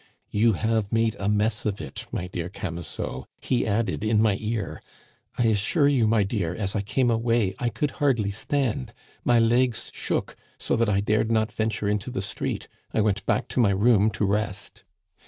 'You have made a mess of it, my dear Camusot,' he added in my ear. I assure you, my dear, as I came away I could hardly stand. My legs shook so that I dared not venture into the street. I went back to my room to rest.